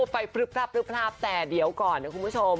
ไปพลึบพราบแต่เดี๋ยวก่อนนะคุณผู้ชม